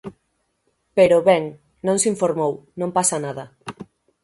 Pero, ben, non se informou, non pasa nada.